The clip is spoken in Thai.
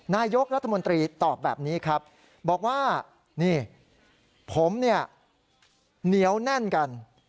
นายกรัฐมนตรีตอบแบบนี้ครับบอกว่านี่ผมเนี่ยเหนียวแน่นกัน